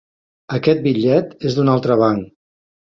Aquest bitllet és d'un altre banc.